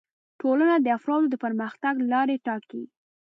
ټولنه د افرادو د پرمختګ لارې ټاکي